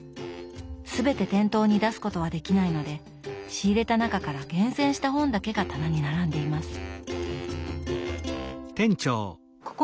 全て店頭に出すことはできないので仕入れた中から厳選した本だけが棚に並んでいます。